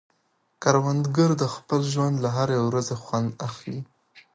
کروندګر د خپل ژوند له هرې ورځې خوند اخلي